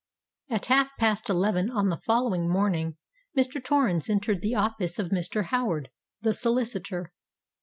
At half past eleven on the following morning, Mr. Torrens entered the office of Mr. Howard, the solicitor.